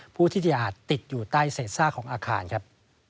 ผู้ที่อาจติดอยู่ใต้เศษซากของอาคารครับ